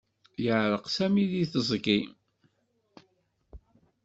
Yeεreq Sami deg teẓgi.